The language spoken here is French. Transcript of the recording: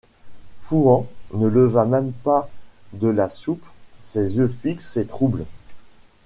Fouan ne leva même pas de la soupe ses yeux fixes et troubles.